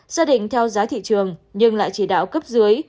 xác định theo giá thị trường nhưng lại chỉ đạo cấp dưới